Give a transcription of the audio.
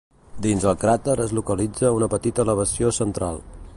Dins del cràter es localitza una petita elevació central.